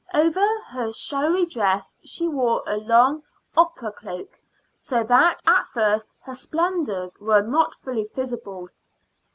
Over her showy dress she wore a long opera cloak, so that at first her splendors were not fully visible.